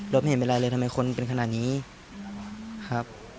ไม่เห็นเป็นไรเลยทำไมคนเป็นขนาดนี้ครับ